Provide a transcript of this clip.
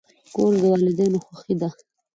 کورس د والدینو خوښي ده.